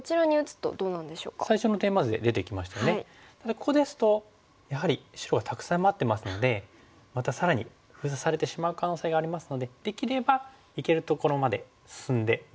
ここですとやはり白がたくさん待ってますのでまた更に封鎖されてしまう可能性がありますのでできればいけるところまで進んでいくこの。